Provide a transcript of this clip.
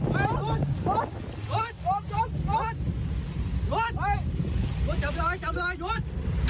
เฮ้ยรถเฮ้ยรถอย่าหยุด